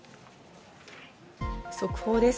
速報です。